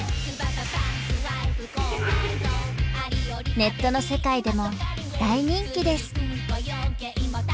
ネットの世界でも大人気です。